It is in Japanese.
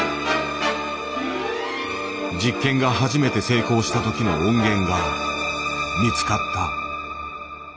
実験が初めて成功した時の音源が見つかった。